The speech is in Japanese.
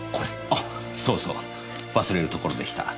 あそうそう忘れるところでした。